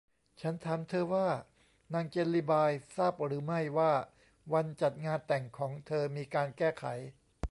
ฉันถามเธอว่า นางเจลลีบายทราบหรือไม่ว่าวันจัดงานแต่งของเธอมีการแก้ไข